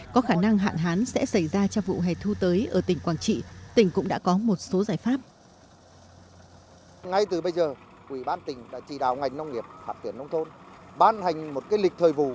có khả năng hạn hán sẽ xảy ra cho vụ hài thu tới ở tỉnh quảng trị